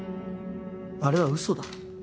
あれは嘘だ。